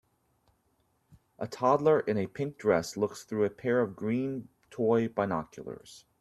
a toddler in a pink dress looks through a pair of green toy binoculars.